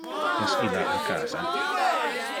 Es illa a casa?